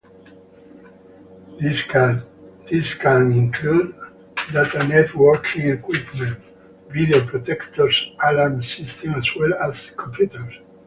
These can include data networking equipment, video projectors, alarm systems as well as computers.